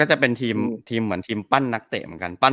ก็จะเป็นทีมเหมือนทีมปั้นนักเตะเหมือนกัน